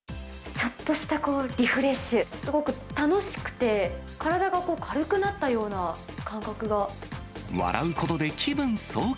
ちょっとしたリフレッシュ、すごく楽しくて、体が軽くなった笑うことで気分爽快。